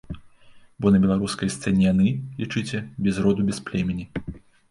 Бо на беларускай сцэне яны, лічыце, без роду без племені.